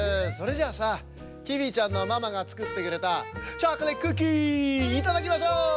それじゃあさキーウィちゃんのママがつくってくれたチョコレートクッキーいただきましょう。